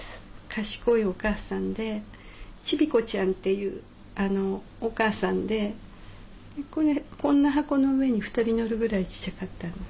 賢いお母さんでチビコちゃんっていうお母さんでこれこんな箱の上に２人乗るぐらいちっちゃかったの。